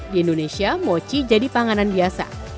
di indonesia mochi jadi panganan biasa